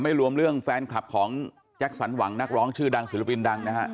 รวมเรื่องแฟนคลับของแจ็คสันหวังนักร้องชื่อดังศิลปินดังนะฮะ